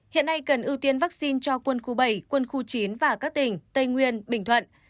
hiện nay cần ưu tiên vaccine cho quân khu bảy quân khu chín và các tỉnh tây nguyên bình thuận